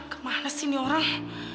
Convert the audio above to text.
kemana sini orang